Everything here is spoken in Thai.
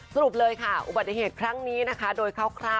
สรุปเลยค่ะอุบัติเหตุครั้งนี้นะคะ